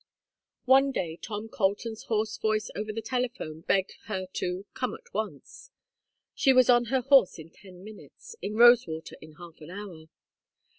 One day Tom Colton's hoarse voice over the telephone begged her to "come at once." She was on her horse in ten minutes, in Rosewater in half an hour.